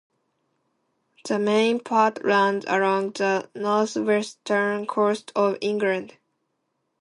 The main part runs along the northwestern coast of England.